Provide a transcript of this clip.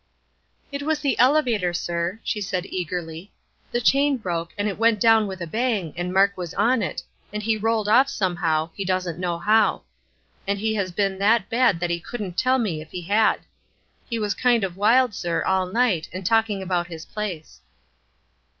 "It was the elevator, sir," she said, eagerly. "The chain broke, and it went down with a bang, and Mark was on it, and he rolled off somehow, he doesn't know how; and he has been that bad that he couldn't tell me if he had. He was kind of wild, sir, all night, and talking about his place."